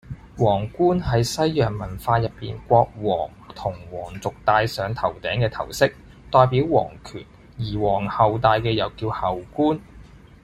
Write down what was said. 王冠係西洋文化入面國王同王族戴上頭頂嘅頭飾，代表王權。而王后戴嘅又叫后冠